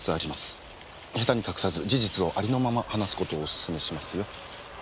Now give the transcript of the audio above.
ヘタに隠さず事実をありのまま話すことをおすすめしますよ。